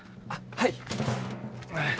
はい。